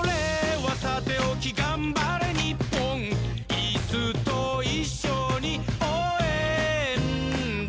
「イスといっしょにおうえんだ！」